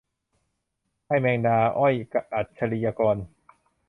ไอ้แมงดา - อ้อย อัจฉริยกร